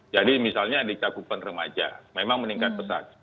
jadi misalnya di cakupan remaja memang meningkat pesat